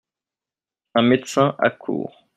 Un médecin accourt.